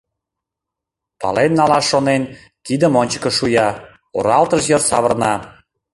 Пален налаш шонен, кидым ончыко шуя, оралтыж йыр савырна.